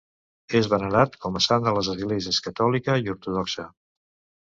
És venerat com a sant a les esglésies catòlica i ortodoxa.